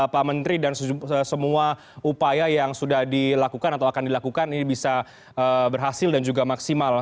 pak menteri dan semua upaya yang sudah dilakukan atau akan dilakukan ini bisa berhasil dan juga maksimal